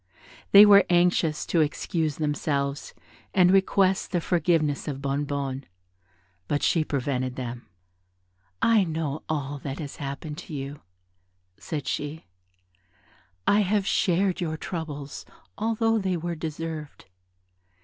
They were anxious to excuse themselves, and request the forgiveness of Bonnebonne; but she prevented them. "I know all that has happened to you," said she, "I have shared your troubles, although they were deserved.